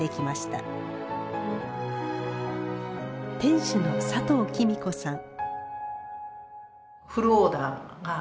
店主の佐藤貴美子さん。